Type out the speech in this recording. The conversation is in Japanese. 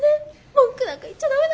文句なんか言っちゃダメだ。